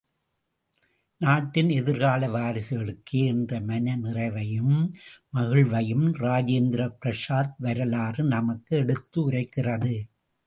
நாட்டின் எதிர்கால வாரிசுகளுக்கே என்ற மனநிறைவையும் மகிழ்வையும் ராஜேந்திர பிரசாத் வரலாறு நமக்கு எடுத்துரைக்கிறது.